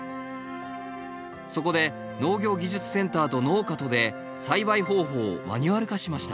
そこで農業技術センターと農家とで栽培方法をマニュアル化しました。